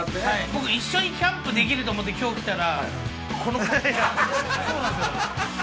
僕一緒にキャンプできると思って今日来たらこの格好です。